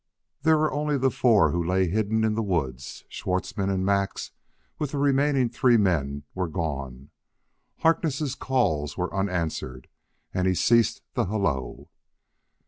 There were only the four who lay hidden in the woods; Schwartzmann and Max, with the remaining three men, were gone. Harkness' calls were unanswered, and he ceased the halloo.